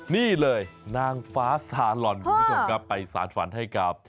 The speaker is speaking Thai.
นี่เลยนางฟ้าซาลอนคุณผู้ชมครับไปสารฝันให้กับ